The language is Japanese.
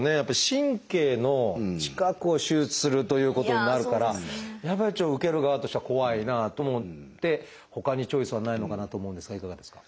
神経の近くを手術するということになるからやっぱりちょっと受ける側としては怖いなと思ってほかにチョイスはないのかなと思うんですがいかがですか？